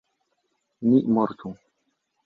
Ni mortu!